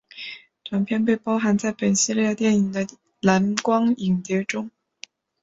短片被包含在本系列电影的蓝光影碟中。